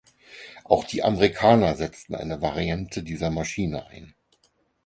Auch die Amerikaner setzten eine Variante dieser Maschine ein.